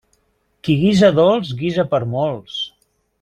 Qui guisa dolç guisa per a molts.